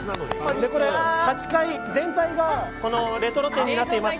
８階、全体がレトロ展になっています。